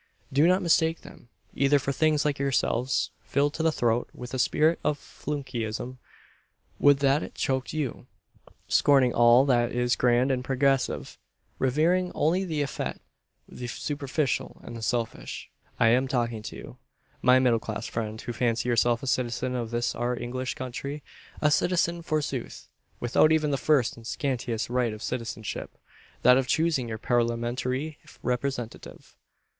Do not mistake them, either, for things like yourselves filled to the throat with a spirit of flunkeyism would that it choked you! scorning all that is grand and progressive revering only the effete, the superficial, and the selfish. I am talking to you, my middle class friend, who fancy yourself a citizen of this our English country. A citizen, forsooth; without even the first and scantiest right of citizenship that of choosing your parliamentary representative.